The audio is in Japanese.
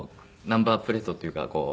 ナンバープレートっていうかこう。